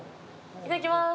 いただきます。